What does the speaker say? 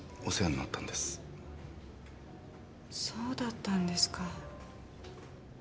そうだったんですか。